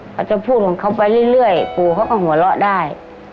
เขาจะพูดของเขาไปเรื่อยปู่เขาก็หัวเราะได้